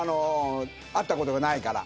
会ったことがないから。